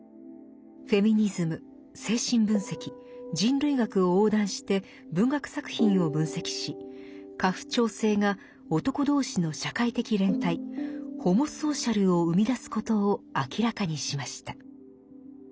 フェミニズム精神分析人類学を横断して文学作品を分析し家父長制が男同士の社会的連帯ホモソーシャルを生み出すことを明らかにしました。